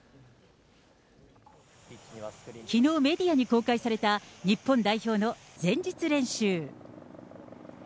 きのうメディアに公開された、日本代表の前日練習。